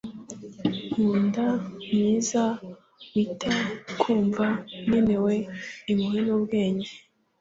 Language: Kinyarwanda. nkunda, mwiza, wita, nkumva, nkenewe, impuhwe nubwenge